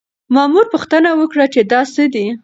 مامور پوښتنه وکړه چې دا څه دي؟